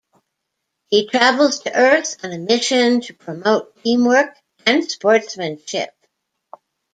He travels to Earth on a mission to promote teamwork and sportsmanship.